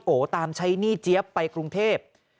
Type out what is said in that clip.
ตามใช้หนี้เจี๊ยบไปกรุงเทพ